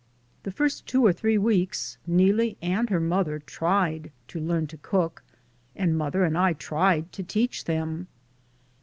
The first two or three weeks Nee lie and her mother tried to learn to cook, and mother and I tried to teach them.